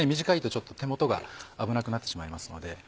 短いとちょっと手元が危なくなってしまいますので。